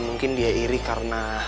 mungkin dia iri karena